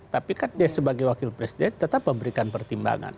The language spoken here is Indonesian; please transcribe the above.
tapi kan dia sebagai wakil presiden tetap memberikan pertimbangan